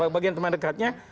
bagian teman dekatnya